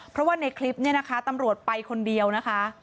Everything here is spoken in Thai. เพราะว่าในคลิปเนี่ยนะคะตำรวจไปคนเดียวนะคะ